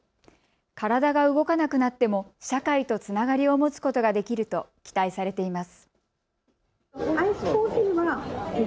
体が動かなくなっても社会とつながりを持つことができると期待されています。